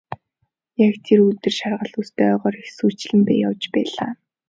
Яг тэр өдөр шаргал үст ойгоор хэсүүчлэн явж байлаа.